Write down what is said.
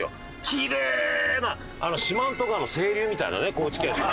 きれいな四万十川の清流みたいなね高知県の。